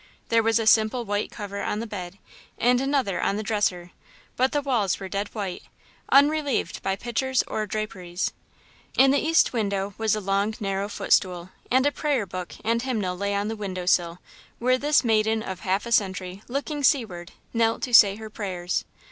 There was a simple white cover on the bed and another on the dresser, but the walls were dead white, unrelieved by pictures or draperies. In the east window was a long, narrow footstool, and a prayer book and hymnal lay on the window sill, where this maiden of half a century, looking seaward, knelt to say her prayers.